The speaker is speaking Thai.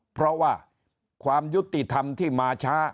เพราะว่าความยุติธรรมที่มาช้า